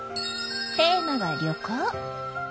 テーマは「旅行」！